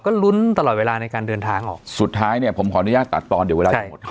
ก็ลุ้นตลอดเวลาในการเดินทางออกสุดท้ายเนี่ยผมขออนุญาตตัดตอนเดี๋ยวเวลาจะหมด